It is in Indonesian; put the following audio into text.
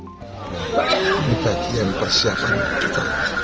ini bagian persiapan kita